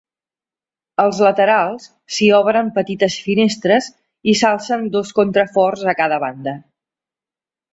Als laterals s'hi obren petites finestres i s'alcen dos contraforts a cada banda.